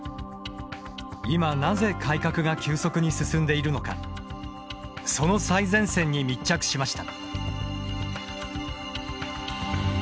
今なぜ改革が急速に進んでいるのかその最前線に密着しました。